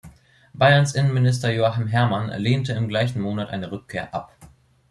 Bayerns Innenminister Joachim Herrmann lehnte im gleichen Monat eine Rückkehr ab.